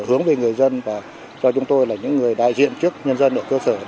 hướng về người dân và cho chúng tôi là những người đại diện trước nhân dân ở cơ sở